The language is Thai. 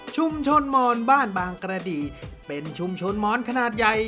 ชุมชนมอนบ้านบางกระดีเป็นชุมชนมอนขนาดใหญ่